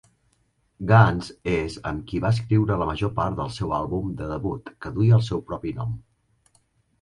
Guns és amb qui va escriure la major part del seu àlbum de debut, que duia el seu propi nom.